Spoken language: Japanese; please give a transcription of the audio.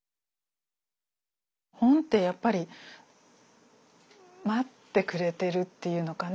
本ってやっぱり待ってくれているっていうのかな。